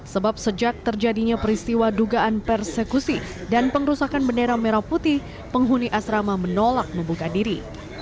sebab sejak terjadinya peristiwa dugaan persekusi dan pengerusakan bendera merah putih penghuni asrama menolak membuka diri